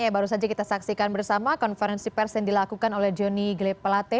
ya baru saja kita saksikan bersama konferensi pers yang dilakukan oleh jonny gle pelate